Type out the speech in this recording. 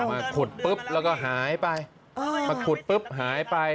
มาขุดปุ๊บแล้วก็หายไปมาขุดปุ๊บหายไป